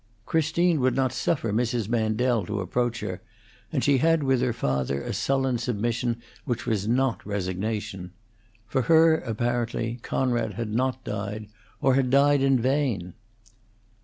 Christine would not suffer Mrs. Mandel to approach her, and she had with her father a sullen submission which was not resignation. For her, apparently, Conrad had not died, or had died in vain.